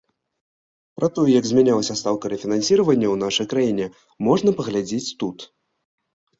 Пра тое, як змянялася стаўка рэфінансавання ў нашай краіне, можна паглядзець тут.